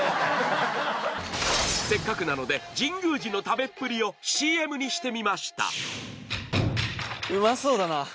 せっかくなので神宮寺の食べっぷりをＣＭにしてみましたうまそうだな。